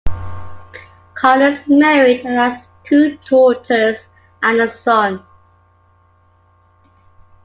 Khan is married and has two daughters and a son.